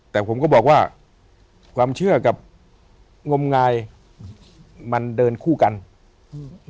แต่ผมก็บอกว่าความเชื่อกับงมงายมันเดินคู่กันอืม